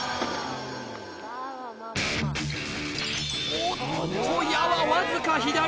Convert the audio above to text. おっと矢はわずか左！